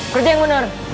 kerja yang bener